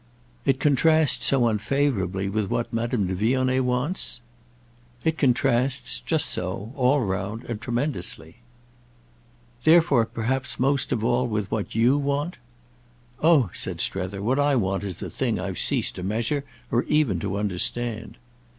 "It contrasts so unfavourably with what Madame de Vionnet wants?" "It contrasts—just so; all round, and tremendously." "Therefore, perhaps, most of all with what you want?" "Oh," said Strether, "what I want is a thing I've ceased to measure or even to understand."